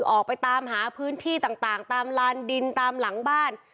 ออกไปตามหาพื้นที่ต่างตามลานดินตามหลังบ้าน